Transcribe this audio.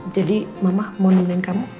jadi mama mau nemenin kamu